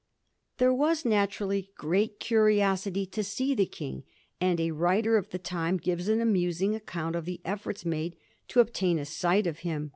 There was naturally great curiosity to see the King, and a writer of the time gives an amusing account of the efforts made to obtain a sight of him.